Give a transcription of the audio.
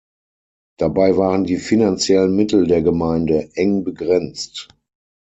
Dabei waren die finanziellen Mittel der Gemeinde eng begrenzt.